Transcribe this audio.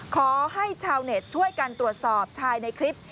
ขอให้ชาวเน็ตช่วยกันตรวจสอบชายในคลิป